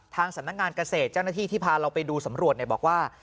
สำนักงานเกษตรเจ้าหน้าที่ที่พาเราไปดูสำรวจบอกว่า